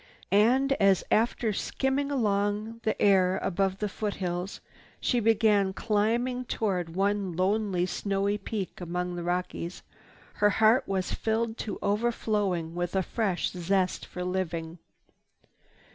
And as, after skimming along the air above the foothills, she began climbing toward one lone snowy peak among the Rockies, her heart was filled to overflowing with a fresh zest for living.